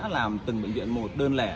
làm từng bệnh viện một đơn lẻ